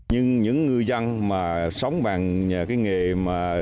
nhưng những người dân mà sống bằng cái nghề mà